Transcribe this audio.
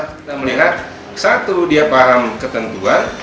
kita melihat satu dia paham ketentuan